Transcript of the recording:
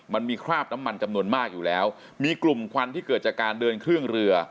มันมีคราบน้ำมันจำนวนมากอยู่แล้วมีกลุ่มควันที่เกิดจากการเดินเครื่องเรือ